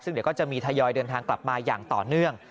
ซึ่งเดี๋ยวก็จะมีทยอยเดินทางกลับมาอย่างต่อเนื่อง